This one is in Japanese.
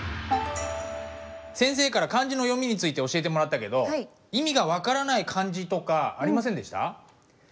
先生から漢字の読みについて教えてもらったけど意味が分からない漢字とかありませんでした？